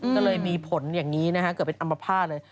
ก็เลยมีผลอย่างนี้นะฮะเกิดเป็นอัมพาตเลย